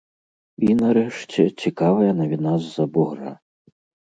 І, нарэшце, цікавая навіна з-за бугра.